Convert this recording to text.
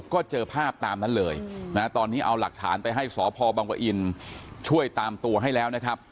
ก็เจอภาพตามนั้นเลยนะตอนนี้เอาหลักฐานไปให้สพบังปะอินช่วยตามตัวให้แล้วนะครับ